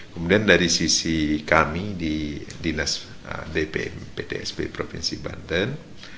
kemudian dari sisi kami di dinas dpm pdsb provinsi banten